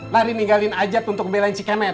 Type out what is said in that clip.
lari ninggalin ajat untuk ngebelain si kemet